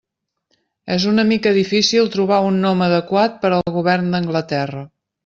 És una mica difícil trobar un nom adequat per al govern d'Anglaterra.